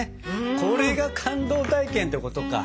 これが「感動体験」ってことか！